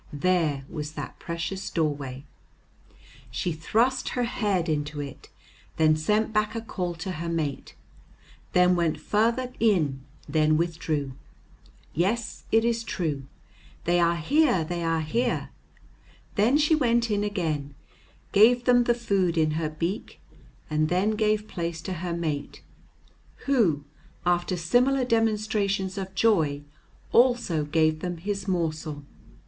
there was that precious doorway. She thrust her head into it, then sent back a call to her mate, then went farther in, then withdrew. "Yes, it is true, they are here, they are here!" Then she went in again, gave them the food in her beak, and then gave place to her mate, who, after similar demonstrations of joy, also gave them his morsel.